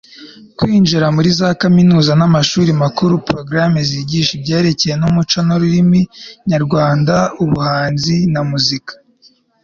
kwinjiza muri za kaminuza n'amashuri makuru programmes zigisha ibyerekeye umuco n'ururimi nyarwanda, ubuhanzi na muzika